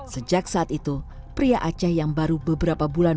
sejak saat itu pria aceh yang baru beberapa bulan